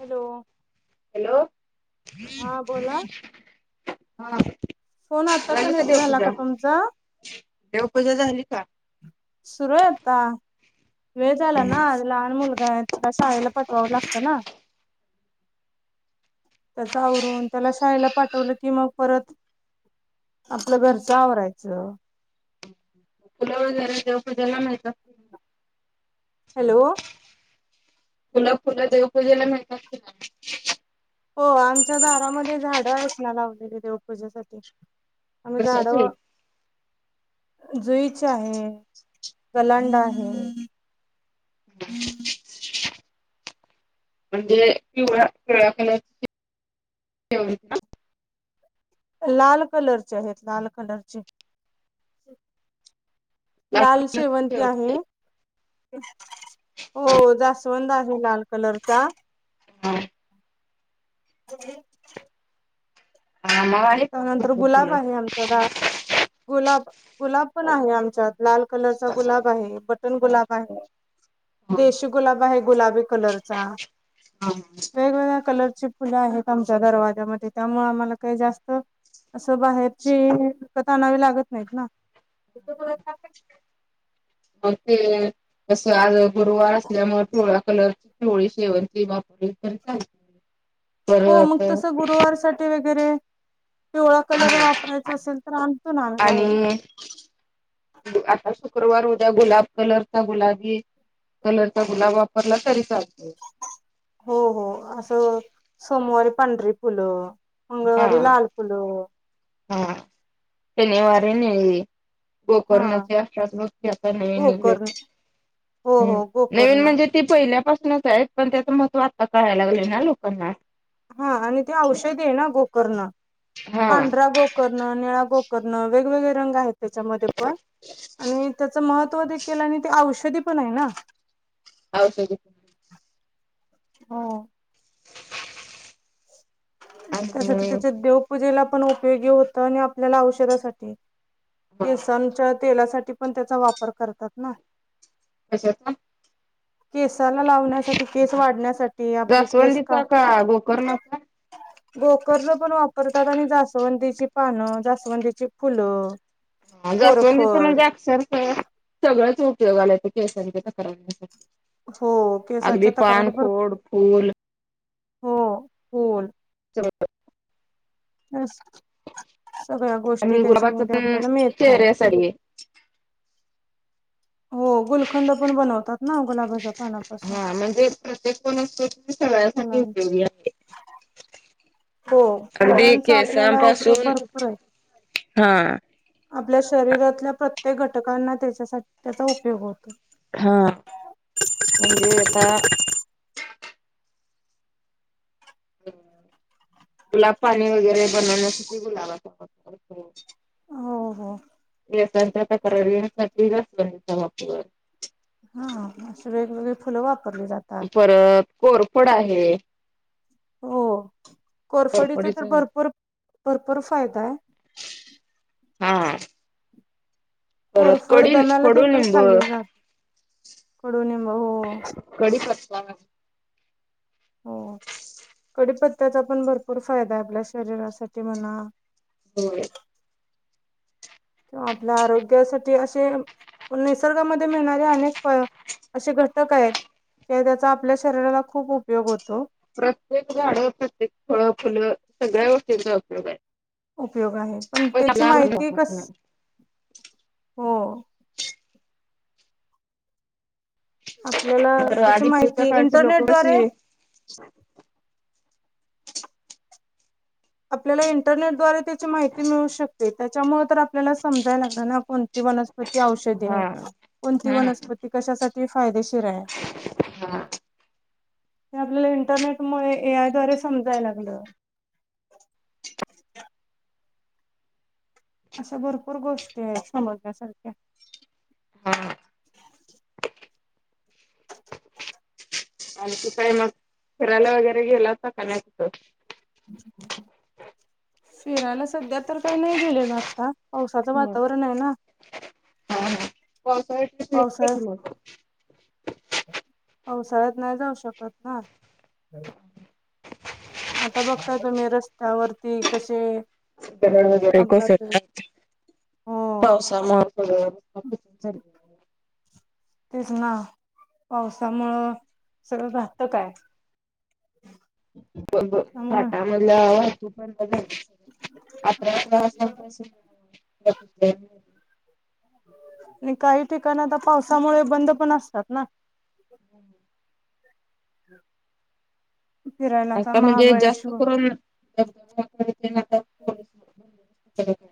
Hello. Hello हा बोला हा. फोन आता कनेक्ट झाला का तुमचा देवपूजा झाली का? सुरू आहेत वेळ झाला ना. लहान मुलगा आहे त्याला शाळेला पटवावं लागतं ना. त्याच आवरून त्याला शाळेला पाठवलं की मग परत आपलं घरचं आवरायचं. फलं वगैरे देव पूजेला मिळतं. हॅलो. फुलं फुलं देवपूजेला मिळतात. हो आमच्या दारामध्ये झाड आहेत ना लावलेली देवपूजेसाठी आमही झाडव. जुईच आहे कलांडा आहे. [unintelligible] म्हणजे पिवळ पिवळ्या कल लाल कलरचे आहेत लाल कलरचे लाल शेवंती आहे. हो जास्वंद आहे लाल कलरचा ह. हा. त्यानंतर गुलाब आहे आमच्याडाळ गुलाब गुलाब पण आहे आमच्यात लाल कलरचा गुलाब आहे बटन गुलाब आहे. देशी गुलाब आहे गुलाबी कलरचा हा हा. वेगवेगळ्या कलरची फुलं आहेत आमच्या दरवाज्यामध्ये त्यामुळे आम्हाला काही जास्त असं बाहेरची विकत आणावी लागत नाहीत ना. मग ते असं आज गुरुवार असल्यामुळे टोळाखल. वेळी शेवणची वापररी चालते. हो मग तसं गुरुवारसाठी वगैरे पिवळा कलर वापरायचा असेल तर आणतो ना आम्ही बाहेरन आता शुक्रवार उद्या गुलाब कलरचा गुलाबी कलरचा गुलाब आप वरला तरी चालत. हो हो असं सोमवारी पांढरी फुलं उंग वर लाल फल हा तेनीवार नाही. हा गोकर्णाची अशाच गोष्टी आता नवीन निघल्या गोकर्ण हो ह् हो नवीन गोकर्ण म्हणजे ती पहिल्यापासूनच आहेत पण त्याचं महत्व आता कळायला लागलेय ना लोकांना. हा आणि ते औषध आहे ना गोकरण पांढरा गो करणं निळा गोकरणं वेगवेगळे रंग आहेत. त्याच्यामध्ये पण आणि त्याच महत्त्व ते केलं आणि ते औषधी पण आहे ना. औषधी हो त्यासाठी त्याच्यात देओप पूजेला पण उपयोगी होत आणि आपल्याला औषधासाठी केसांच्या तेलासाठी पण त्याचा वापर करतात ना. कशाचा केसाला लावण्यासाठी केस वाढण्यासाठी आपले केस का [inaudible] गोकर्ल पण वापरतात आणि जसवंतीची पानं जास्वंतीची फुलं जसवंदीचा कोरफड म्हणजे अक्षरस सगळंच उपयोग आलाय केसांच्या तर करवण्यासाठी. हो अगदी केसांच्या पान, तक्रारी भरपूर खोड, फूल हो फोल चंपत त्यास सगळ्या गोष्टी त्याच्यामध्ये आपल्याला मिळत आहेत. चरी ये हो गुलखंद पण बनवतात ना गुलाबाचा हा म्हणजे प्रत्येक [unintelligible] सगळ्यासाठी फुलां उपयोगी आहे. हो अगदी फुलांचा केसम आपल्याला उपयोग पाासून भरपूर आहे हा. आपल्या शरीरातल्या प्रत्येक घटकांना त्याच्यासाठी त्याचा उपयोग होतो. हा म्हणजे आता गुलाब पाणी वगैरे बनवण्यासाठी गुलाबाचा. [inaudible] हो हो [unintelligible] साठी जास्वंदीचा वापर हा अशी वेगवेगळी फुलं वापरली जात. परत कोरपड आहे. हो कोरफडीचा तर भरपूर भरपूर फायदा आहे. हां. कोरफोड दम्याला देखील खाल्ली जाते कडनिंब हो. कडीपत्ता पत्याचा पण भरपूर फायदा आपल्या शरीरासाठी म्हणा होय. किंवा आपल्या आरोग्यासाठी अशे निसर्गामध्ये मिळणारे अनेक प अशे घटक आहेत. ते त्याचा आपल्या शरीराला खूप उपयोग होतो. प्रत्येक झाडं प्रत्येक फळ फुलं सगळ्या गोष्टींचा उपयोग आहे. उपयोग आहे पण त्याची माहिती कसं हो. आपल्याला तर त्याची आधी पुढच्या माहिती काळची लोकं इंटरनेटद्वारे कशी आपल्याला इंटरनेटद्वारे त्याची माहिती मिळू शकते त्याच्यामुळे तर आपल्याला समजाय लागणार कोणती वनपती औषधी आहे कोणती वती ती कशासाठी फायदेशीर आहे हे हा. ते आपल्याला इंटरनेटमुळे ए आय द्वारे समजाय लागलं. अशा भरपूर गोष्टी आहेत समजण्यासारख्या. हां. आणखी काय मग फिरायला वगैरे गेले का काय नसतं? [inaudible] फिरायला सध्या तर काही नाही गेलेल आता पावसाचं वातावरण आहे ना. [unintelligible] पावसा [unintelligible] पावसाळ्यात नाही जाऊ शकत ना. आता बघताय तुम्ही रस्त्यावरती कसे. ड वगैरे कस अपघात होईल. येत हो पास. [unintelligible] तेच ना पावसामुळ सगळं घातकय. त्यामुळे घाटामधलं वाहतू पण बघर. [unintelligible] आणि काही ठिकाण आता पावसामुळे बंद पण असतात ना. म हम्. [inaudible] फिरायला आता असता म्हणजे जास्त महाबळेश्वर करून. [unintelligible]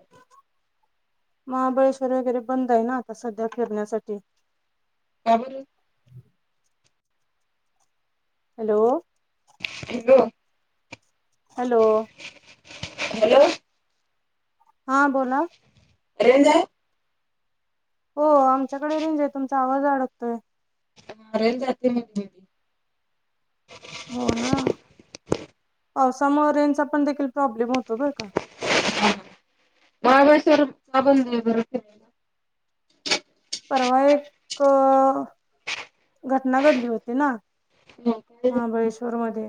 महाबळेश्वर वगैरे बंद आहे ना आता सध्या फिरण्यासाठी. काय बोल्ली. हॅलो. हॅलो. हॅलो. हॅलो. हा बोला. रेंज आहे. हो आमच्याकडे रेंज आहे तुमचा आवाज अडकतोय. रेंज जाते मनजे. हो ना, पावसामुळे रेनचा पण देखील प्रॉब्लेम होतो बरं का. महाबळेश्वर माब. [unintelligible] परवा एक, घटना घडली होती ना. महाबळेश्वर मध्ये.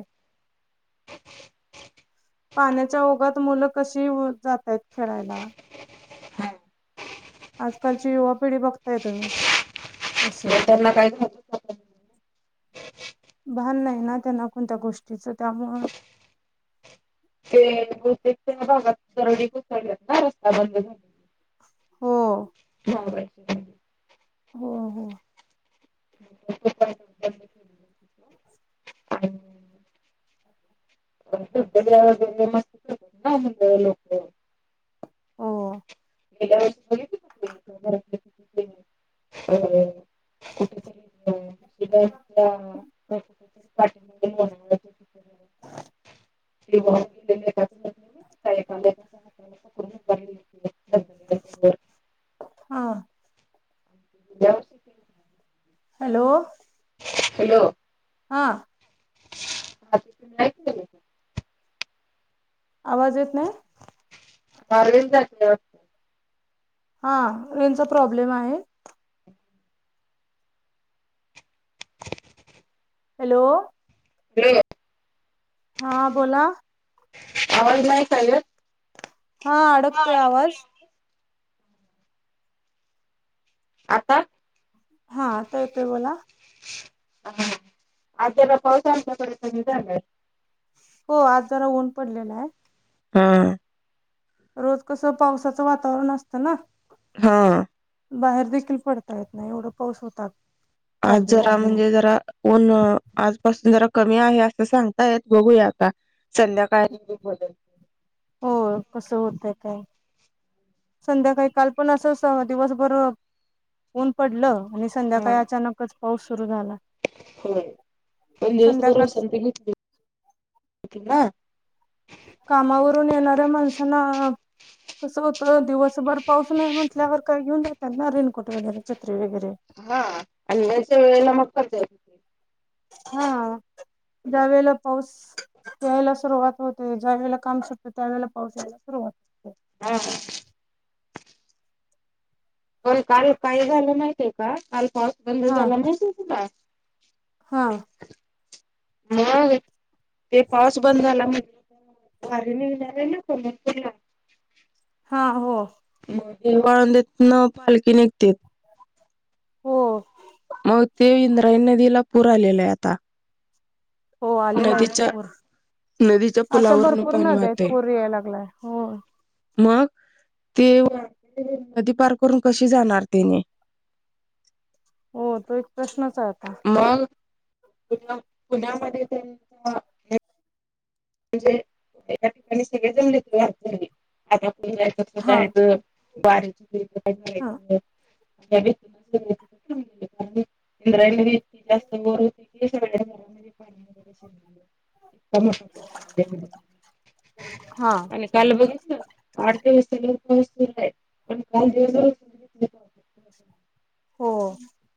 [unintelligible] पाण्याच्या ओघात मुलं कशी येऊन जातात खेळायला. आजकालची युवा पिढी बघताय तुम्ही, कशी. भान नाही ना त्यांना कोणत्या गोष्टीचं त्यामुळ. ते बहतेकच्या भागात दरडी कोसळल्या ना रस्ता बंद झाला. हो [unintelligible] हा ना बाई. हो हो. [unintelligible] े मस् ना लोक. हो [unintelligible] [unintelligible] [unintelligible] काय मनले. हा. जा. हॅलो. हॅलो. हा. हा तिथ नाही केलं. आवाज येत नाही. मारवील जातलं. हा रेनचा प्रॉब्लेम आहे. हॅलो. [unintelligible] हा बोला. आवाज नाही चागत. हा अडकतोय आवाज आता हा आता येतोय बोला. ह [unintelligible] हो आज जरा ऊन पडलेला आहे. हा. रोज कसं पावसाचं वातावरण असतं ना. हा. बाहेर देखील पडता येत नाही एवढं पाऊस होतात. आज जरा म्हणजे जरा. ऊन आजपासून जरा कमी आहे असं सांगता येत बघूया आता. संध्याकाळ [unintelligible] हो कसं होतं काय. संध्याकाळी काल पण अस दिवसभर ऊन पडलं आणि हा संध्याकाळ अचानकच पाऊस सुरू झाला. होय पण दिवसभर संध्याकाळ विश्रांती घेतली होती ना. कामावरून येणाऱ्या माणसांना कसं होत दिवस असं भर पाऊस नाही म्हटल्यावर काय घेऊन जात ना रेनकोट वगैरे छत्री वगैरे. हा आणि याच्या वेळेला मग पडतंय. हा ज्यावेेळेला पाऊस. या्यायला सुरुवात होते ज्या वेळे काम सुटते त्या ववेळेला पावसा यायला सुरवात. हा [unintelligible] पण काल काही झालं माहिती आहे का काल पाऊस बंद हा झाला माहिती आहे तुला. हा. मग ते पाऊस बंद झाला मग भारी [unintelligible] येणार आहे ना सम हा हो. देहू आळंदीतन पालखी निघते. हो. हो ते इंद्रायनी नदीला पुर आलाय आता. हो आलेला आहे की नदीच्या पोर. नदीच्या अशा पुलावरून भरपूर पाणी नद्या आहेत वाहतय पूर याय लागलाय हो. मग ते नदी पार करून कशी जाणार तेनी. हो तो एक प्रश्नच आहे आता. मग पु पुण्यामध्ये तेनी. म्हणजे एका ठिकाणी सगळे जमले [inaudible] आता आपण जायच हा जायचं. वारीची हा व्याय [unintelligible] [inaudible] [inaudible] हा आणि. [unintelligible] हो.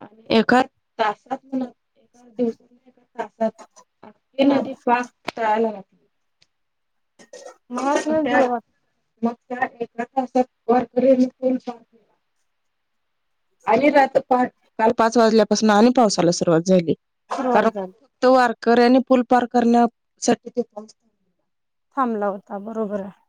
आणि एका तासात [unintelligible] हे हा नदी पाक टळायला लाग मलाच मग नाही त्या देवात मग त्या एका तासात भरपूर. [inaudible] आणि रात पहाटे काल पाच वाजल्यापासून आणि पावसाला सुरुवात झाली कारण सुरुवात झाली तो वारकर्यांनी पूल पार करण्यासाठी ते [unintelligible] थांबला होता बरोबर आहे.